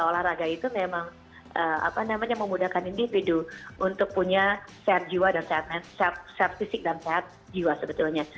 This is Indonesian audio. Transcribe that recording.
olahraga itu memang memudahkan individu untuk punya sehat jiwa dan sehat fisik dan sehat jiwa sebetulnya